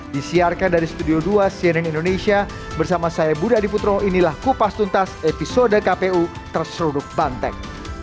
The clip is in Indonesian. disiarkan dari studio dua cnn indonesia bersama saya budha diputro inilah kupas tuntas episode kpu terseruduk banteng